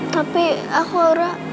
tapi aku orang